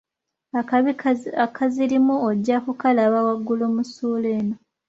Akabi akazirimu ojja ku kalaba waggulu mu suula eno.